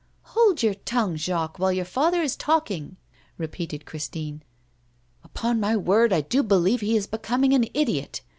'Hold your tongue, Jacques, when your father is talking!' repeated Christine. Upon my word, I do believe he is becoming an idiot.